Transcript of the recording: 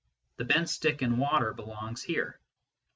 The bent stick in water belongs here.